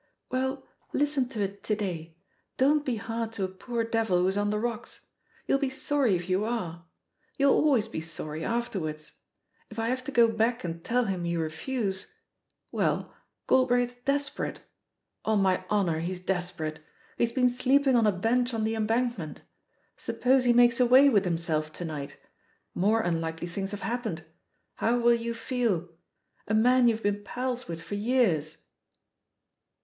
"Well, listen to it to day; don't be hard to a poor devil who's on the rocks 1 You'll be sorry if you are — you'll always be sorry afterwards. If I have to go back and tell him you refuse — well, Galbraith's desperate; on my honour, he's desperate I He's been sleeping on a bench on the Embankment. Suppose he makes away with himself to night — ^more unlikely things have hap pened — how will you feel? A man you've been pals with for years